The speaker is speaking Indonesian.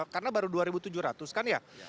karena baru dua tujuh ratus kan ya